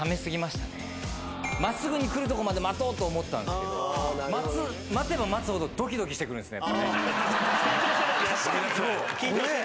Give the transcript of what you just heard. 真っすぐに来るとこまで待とうと思ったんですけど待てば待つほどドキドキしてくるんですね。